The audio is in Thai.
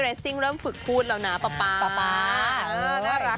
เรซิ่งเริ่มฝึกพูดแล้วนะป๊าป๊า